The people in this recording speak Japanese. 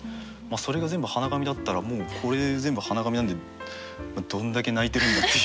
それが全部鼻紙だったらもうこれ全部鼻紙なんでどんだけ泣いてるんだっていう。